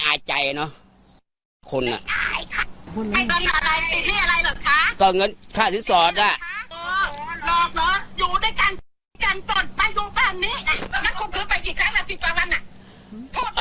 มันคุมคืนไปกี่ครั้งละ๑๐ประวันอ่ะ